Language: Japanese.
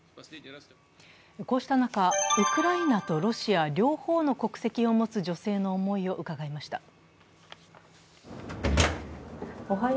こうした中、ウクライナとロシア両方の国籍を持つ女性の思いを伺いました。